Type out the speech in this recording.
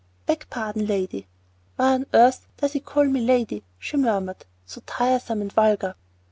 "Beg pardon, lady." "Why on earth does he call me 'lady'?" she murmured "so tiresome and vulgar!"